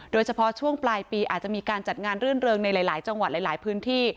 โดยเฉพาะช่วงปลายปีอาจจะมีการจัดงานรื่นเริงในหลายจังหวัดหลายพื้นที่